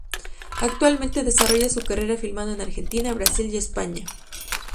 Actualmente desarrolla su carrera filmando en Argentina, Brasil y España.